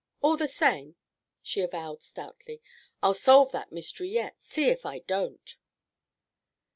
All the same," she avowed stoutly, "I'll solve that mystery yet. See if I don't."